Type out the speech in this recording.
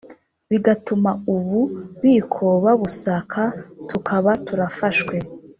bigatuma ubu biko babusaka tukaba turafashwe."